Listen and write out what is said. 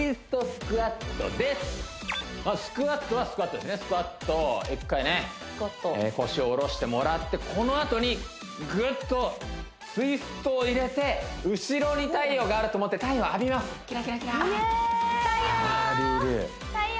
スクワット１回ね腰を下ろしてもらってこのあとにぐっとツイストを入れて後ろに太陽があると思って太陽をあびますキラキラキラッイエーイ！